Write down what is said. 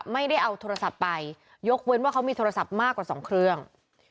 ไม่ได้เอาโทรศัพท์ไปยกเว้นว่าเขามีโทรศัพท์มากกว่า๒เครื่อง